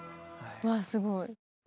うわすごい。